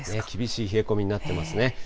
厳しい冷え込みになってますね。